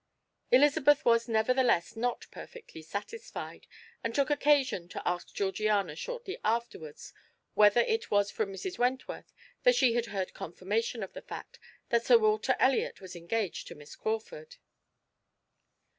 Elizabeth was, nevertheless, not perfectly satisfied, and took occasion to ask Georgiana shortly afterwards whether it was from Mrs. Wentworth that she had heard confirmation of the fact that Sir Walter Elliot was engaged to Miss Crawford.